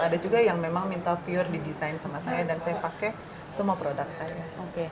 ada juga yang memang minta pure didesain sama saya dan saya pakai semua produk saya